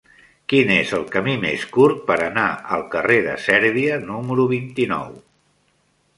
Quin és el camí més curt per anar al carrer de Sèrbia número vint-i-nou?